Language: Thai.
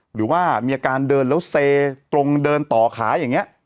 หรือว่ามีอาการเดินแล้วเซตรงเดินต่อขาอย่างนี้